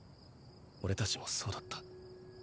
オレたちもそうだった。